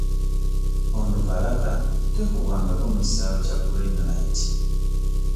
Onduparaka tekubwangako mu kisaawe kya Green Light.